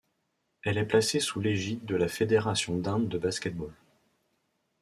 Elle est placée sous l'égide de la Fédération d'Inde de basket-ball.